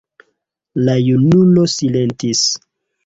La junulo silentis.